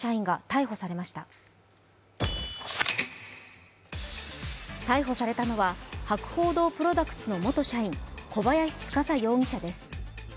逮捕されたのは、博報堂プロダクツの元社員、小林司容疑者です。